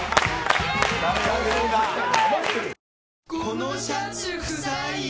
このシャツくさいよ。